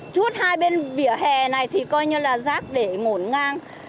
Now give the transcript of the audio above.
chút hai bên vỉa hè này thì coi như là rác để ngổn ngang